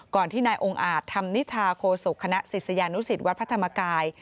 ที่นายองค์อาจธรรมนิทาโคศกคณะศิษยานุสิตวัดพระธรรมกาย